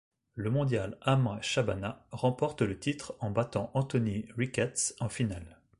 Le mondial Amr Shabana remporte le titre en battant Anthony Ricketts en finale.